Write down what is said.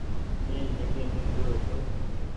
مينٚ جنگي مينٚ گيو هيتو